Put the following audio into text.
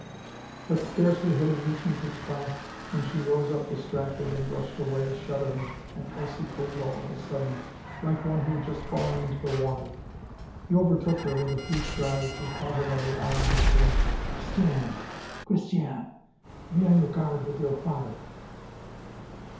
But scarcely had he loosened his clasp when she rose up distracted, and rushed away shuddering and icy cold all of a sudden, like one who had just fallen into the water. He overtook her with a few strides, and caught her by the arm, whispering: "Christiane, Christiane! Be on your guard with your father!"